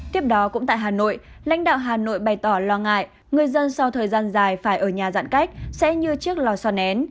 tiếp đó cũng tại hà nội lãnh đạo hà nội bày tỏ lo ngại người dân sau thời gian dài phải ở nhà giãn cách sẽ như chiếc lò xoàn én